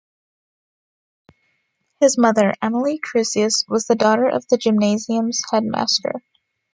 His mother, Emilie Crusius, was the daughter of the Gymnasium's headmaster.